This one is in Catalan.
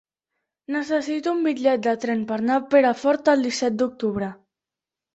Necessito un bitllet de tren per anar a Perafort el disset d'octubre.